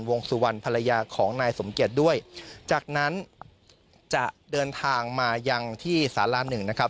วงสุวรรณภรรยาของนายสมเกียจด้วยจากนั้นจะเดินทางมายังที่สาราหนึ่งนะครับ